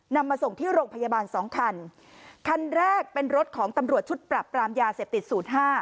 นำมาส่งที่โรงพยาบาลสองคันคันแรกเป็นรถของตำรวจชุดปรับปรามยาเสพติดศูนย์ห้า